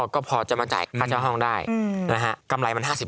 ก็พอจะมาจ่ายค่าเที่ยวห้องได้กำไรมัน๕๐